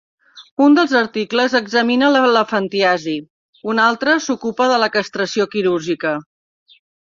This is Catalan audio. Un dels articles examina l'elefantiasi, un altre s'ocupa de la castració quirúrgica.